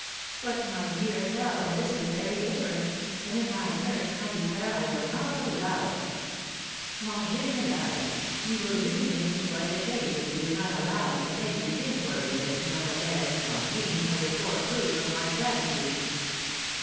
"But, my dear fellow, this is very different; and, in my turn, I declare I will not allow it." "Mon général, you will really make me quite ashamed if you do not allow me to make these inquiries as to Mlle. Alexandrine as a poor proof of my gratitude."